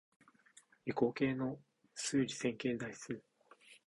理工系の数理線形代数